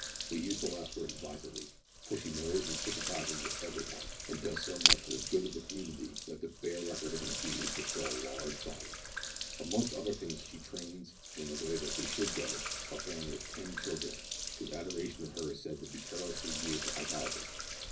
We use the last word advisedly, for she knows and sympathises with every one, and does so much for the good of the community, that the bare record of her deeds would fill a large volume. Amongst other things she trains, in the way that they should go, a family of ten children, whose adoration of her is said to be perilously near to idolatry.